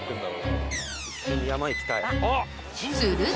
［すると］